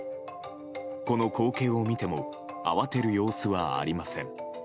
この光景を見ても慌てる様子はありません。